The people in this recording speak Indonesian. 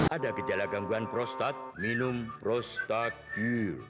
ada gejala gangguan prostat minum prostagil